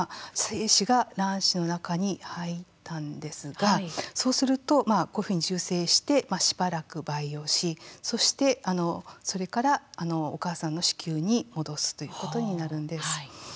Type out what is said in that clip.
精子が卵子の中に入ったんですがそうするとこういうふうに受精してしばらく培養し、そしてそれから、お母さんの子宮に戻すということになるんです。